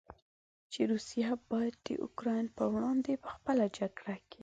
چې روسیه باید د اوکراین پر وړاندې په خپله جګړه کې.